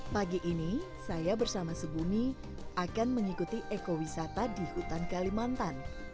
pagi ini saya bersama sebumi akan mengikuti ekowisata di hutan kalimantan